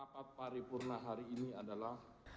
rapat paripurna hari ini adalah